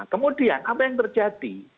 kemudian apa yang terjadi